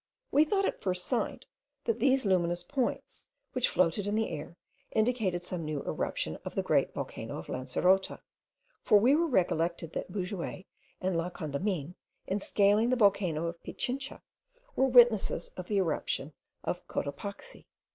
We thought, at first sight, that these luminous points, which floated in the air, indicated some new eruption of the great volcano of Lancerota; for we recollected that Bouguer and La Condamine, in scaling the volcano of Pichincha, were witnesses of the eruption of Cotopaxi.